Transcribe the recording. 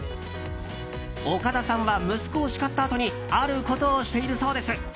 岡田さんは息子を叱ったあとにあることをしているそうです。